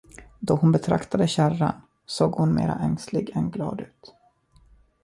Då hon betraktade kärran, såg hon mera ängslig än glad ut.